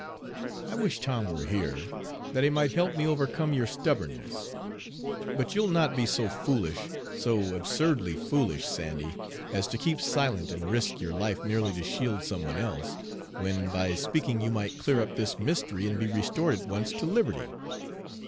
I wish Tom were here, that he might help me overcome your stubbornness; but you'll not be so foolish, so absurdly foolish, Sandy, as to keep silent and risk your life merely to shield some one else, when by speaking you might clear up this mystery and be restored at once to liberty.